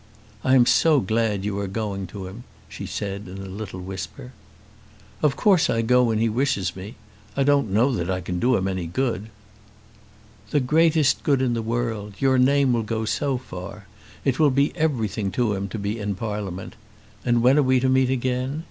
"I am so glad you are going to him," she said in a little whisper. "Of course I go when he wishes me. I don't know that I can do him any good." "The greatest good in the world. Your name will go so far! It will be everything to him to be in Parliament. And when are we to meet again?"